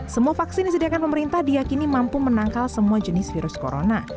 semua vaksin disediakan pemerintah diakini mampu menangkal semua jenis virus corona